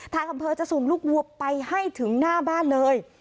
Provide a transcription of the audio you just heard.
ทางอำเภอจะส่งลูกวัวไปให้ถึงหน้าบ้านเลย